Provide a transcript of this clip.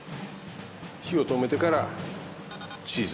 火を止めてからチーズ。